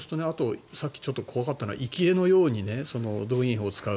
さっきちょっと怖かったのは生餌のように動員兵を使う。